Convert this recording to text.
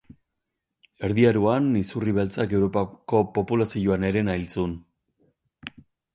Erdi Aroan izurri beltzak Europako populazioaren herena hil zuen.